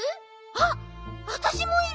あっわたしもいる！